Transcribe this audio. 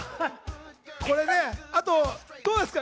これあとどうですか